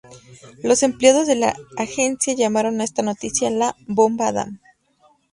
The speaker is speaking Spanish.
Los empleados de la Agencia llamaron a esta noticia la "bomba Adam".